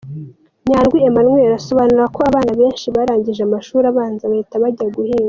Nyandwi Emmanuel asobanura ko abana benshi barangije amashuri abanza bahita bajya guhinga.